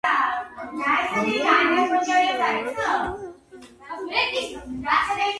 აჯანყებას ხელმძღვანელობენ ცხენი ბაკი და ძროხები, რომლებმაც გადაწყვიტეს ყველაფერზე წავიდნენ, ოღონდ ფერმა გაკოტრებისგან გადაარჩინონ.